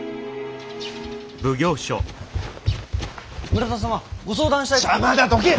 村田様ご相談したいことが。